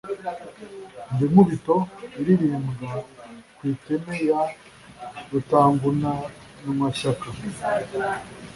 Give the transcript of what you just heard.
ndi nkubito ilirimbwa ku iteme ya rutanguranwashyaka,